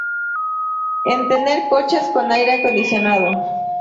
En tener coches con Aire Acondicionado.